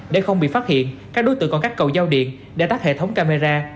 để không bị phát hiện các đối tượng còn cắt cầu giao điện để tắt hệ thống camera